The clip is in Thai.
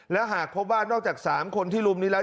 และหากพบว่านอกจาก๓คนที่ลุมนี้แล้ว